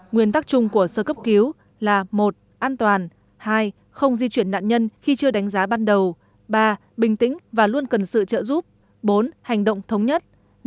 nguyên tắc chung của sơ cấp cứu là một an toàn hai không di chuyển nạn nhân khi chưa đánh giá ban đầu ba bình tĩnh và luôn cần sự trợ giúp bốn hành động thống nhất